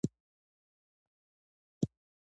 د نورابې کان په کوم ولایت کې دی؟